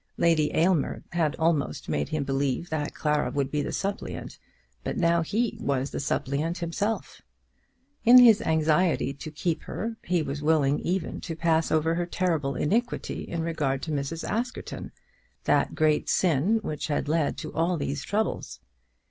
Lady Aylmer had almost made him believe that Clara would be the suppliant, but now he was the suppliant himself. In his anxiety to keep her he was willing even to pass over her terrible iniquity in regard to Mrs. Askerton, that great sin which had led to all these troubles.